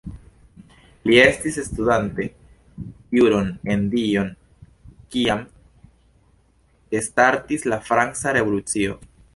Li estis studante juron en Dijon kiam startis la Franca Revolucio.